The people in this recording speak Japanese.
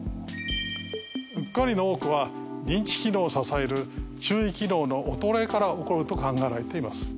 うっかりの多くは認知機能を支える注意機能の衰えから起こると考えられています。